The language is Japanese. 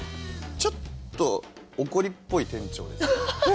ちょっと怒りっぽい店長ですね。